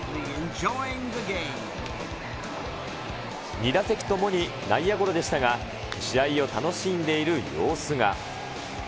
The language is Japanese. ２打席ともに内野ゴロでしたが、試合を楽しんでいる様子が。